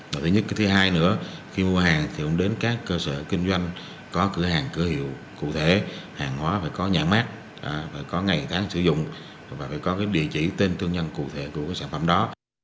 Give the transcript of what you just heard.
và thứ nhất thứ hai nữa khi mua hàng thì cũng đến các cơ sở kinh doanh có cửa hàng cửa hiệu cụ thể hàng hóa phải có nhà mát phải có ngày tháng sử dụng và phải có địa chỉ tên thương nhân cụ thể của sản phẩm đó